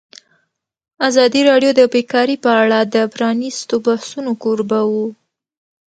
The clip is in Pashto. ازادي راډیو د بیکاري په اړه د پرانیستو بحثونو کوربه وه.